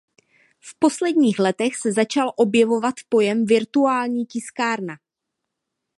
V posledních letech se začal objevovat pojem virtuální tiskárna.